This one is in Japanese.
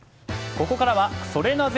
ここからはソレなぜ？